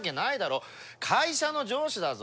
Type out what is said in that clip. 会社の上司だぞ。